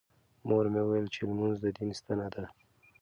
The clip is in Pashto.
مور مې وویل چې لمونځ د دین ستنه ده.